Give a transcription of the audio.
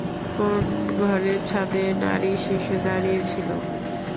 কোন ঘরের ছাদে নারী, শিশু দাড়িয়ে ছিল।